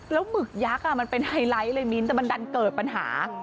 หมึกยักษ์มันเป็นไฮไลท์เลยมิ้นแต่มันดันเกิดปัญหา